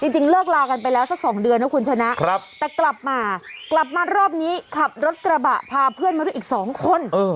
จริงเลิกลากันไปแล้วสัก๒เดือนนะคุณชนะแต่กลับมากลับมารอบนี้ขับรถกระบะพาเพื่อนมาด้วยอีก๒คน